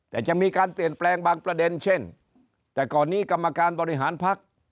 แต่จะมีการเปลี่ยนแปลงบางประเด็นเช่นแต่ก่อนนี้กรรมการบริหารพัก